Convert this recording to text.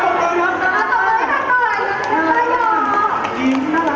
รู้สึกยังไงครับเต้า